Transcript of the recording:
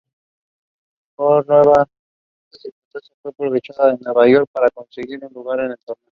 Esta circunstancia fue aprovechada por Nueva York para conseguir su lugar en el torneo.